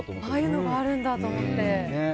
ああいうのがあるんだと思って。